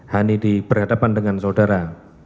hani diberhadapan dengan saudara